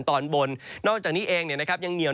ตอนบนนอกจากนี้เองเนี่ยนะครับยังเหนียว